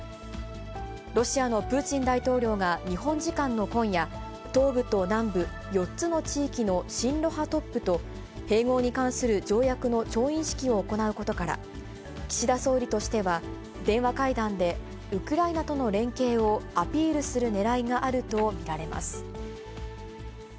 ロシアのプーチン大統領が日本時間の今夜、東部と南部、４つの地域の親ロ派トップと併合に関する条約の調印式を行うことから、岸田総理としては、電話会談で、ウクライナとの連携をアピールするねらいがあると見られます。